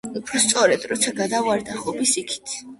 უფრო სწორედ, როცა გადავარდა ღობის იქით.